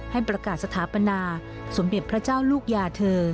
ให้ประกาศสถาปนาสมเด็จพระเจ้าลูกยาเธอ